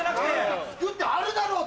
作ってあるだろう！